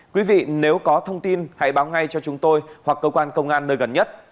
quý vị nếu có thông tin hãy báo ngay cho chúng tôi hoặc cơ quan công an nơi gần nhất